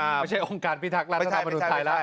ไม่ใช่องค์การพิทักษ์รัฐธรรมนุนไทยแล้ว